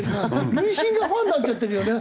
塁審がファンになっちゃってるよね。